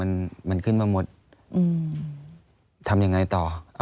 อันดับ๖๓๕จัดใช้วิจิตร